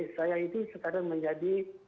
saya itu sekarang menjadi